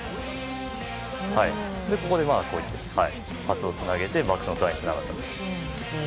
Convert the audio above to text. ここでパスをつなげてバックスのトライにつながった。